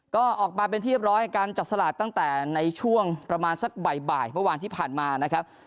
ก็ออกมาเป็นที่เรียบร้อยการจับสลากตั้งแต่ในช่วงประมาณสักบ่ายเมื่อวานที่ผ่านมานะครับ